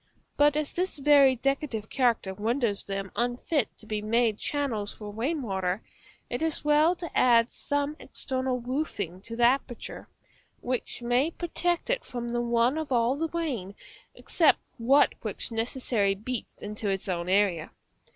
But as this very decorative character renders them unfit to be made channels for rain water, it is well to add some external roofing to the aperture, which may protect it from the run of all the rain, except that which necessarily beats into its own area.